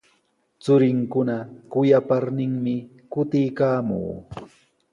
Churinkuna kuyaparninmi kutiykaamun.